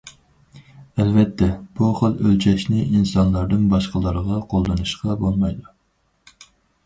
ئەلۋەتتە، بۇ خىل ئۆلچەشنى ئىنسانلاردىن باشقىلارغا قوللىنىشقا بولمايدۇ.